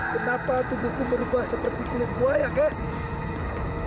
kenapa tubuhku berubah seperti kulit buaya kek